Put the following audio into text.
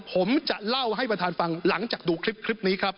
ผมจะเล่าให้ประธานฟังหลังจากดูคลิปนี้ครับ